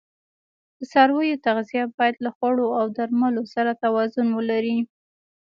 د څارویو تغذیه باید له خوړو او درملو سره توازون ولري.